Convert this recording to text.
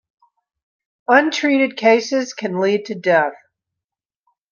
Untreated cases can lead to death.